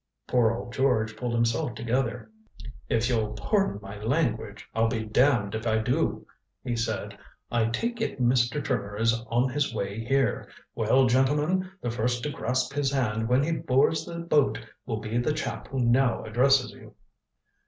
Poor old George pulled himself together. "If you'll pardon my language, I'll be damned if I do," he said. "I take it Mr. Trimmer is on his way here. Well, gentlemen, the first to grasp his hand when he boards the boat will be the chap who now addresses you."